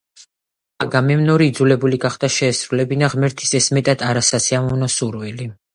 აგამემნონი იძულებული გახდა შეესრულებინა ღმერთის ეს მეტად არასასიამოვნო სურვილი.